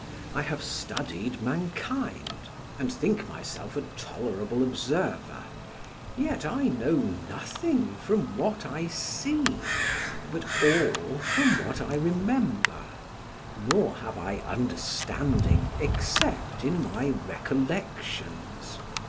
I have studied mankind, and think myself a tolerable observer, yet I know nothing from what I see, but all from what I remember, nor have I understanding except in my recollections.